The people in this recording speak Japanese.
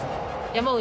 山内！